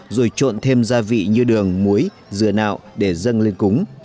rồi trộn thêm gia vị như đường muối dừa nạo để dâng lên cúng